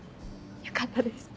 よかったです。